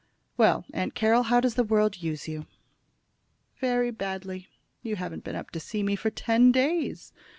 "Well, Aunt Carroll, how does the world use you?" "Very badly. You haven't been up to see me for ten days."